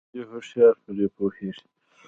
يوازې هوښيار پري پوهيږي